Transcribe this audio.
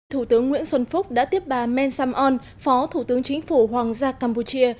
thủ tướng nguyễn xuân phúc đã tiếp bà men sam on phó thủ tướng chính phủ hoàng gia campuchia